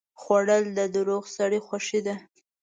خوړل د روغ سړي خوښي ده